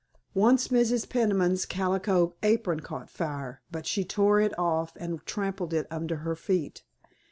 Once Mrs. Peniman's calico apron caught fire, but she tore it off and trampled it under her feet.